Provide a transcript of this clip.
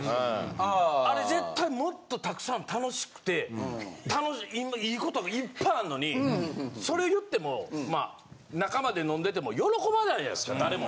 あれ絶対もっとたくさん楽しくて楽しいいい事いっぱいあんのにそれ言ってもまあ仲間で飲んでても喜ばないじゃないですか誰も。